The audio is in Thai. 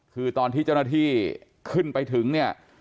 คือตอนที่เจ้าหน้าที่ขึ้นไปถึงเนี่ย